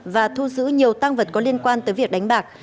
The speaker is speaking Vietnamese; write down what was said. và thu giữ nhiều tăng vật có liên quan tới việc đánh bạc